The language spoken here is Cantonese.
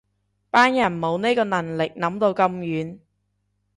班人冇呢個能力諗到咁遠